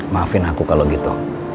maafin aku kalau gitu